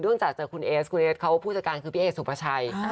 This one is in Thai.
ด้วนจากคุณเอสคุณเอสเขาว่าผู้จัดการคือพี่เอสสุประชัย